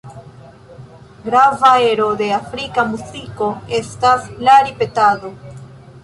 Grava ero de afrika muziko estas la ripetado.